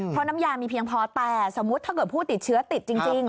เพราะน้ำยามีเพียงพอแต่สมมุติถ้าเกิดผู้ติดเชื้อติดจริง